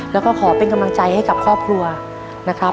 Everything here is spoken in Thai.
แล้วก็ขอเป็นกำลังใจให้กับครอบครัวนะครับ